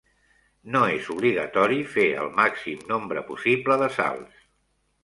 No és obligatori fer el màxim nombre possible de salts.